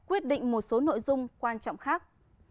quyết định một số nội dung quan trọng khác